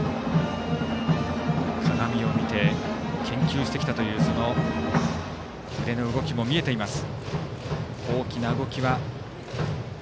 鏡を見て研究してきたというその腕の動きも見えています。